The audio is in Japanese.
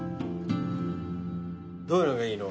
どういうのがいいの？